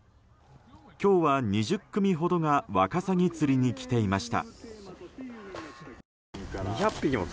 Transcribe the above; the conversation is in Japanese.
今日は２０組ほどがワカサギ釣りに来ていました。